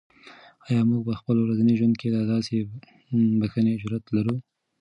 آیا موږ په خپل ورځني ژوند کې د داسې بښنې جرات لرو؟